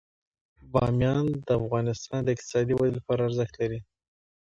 بامیان د افغانستان د اقتصادي ودې لپاره ارزښت لري.